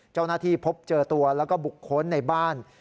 เจ้าหน้าที่พบเจอตัวแล้วก็บุคคลในบ้าน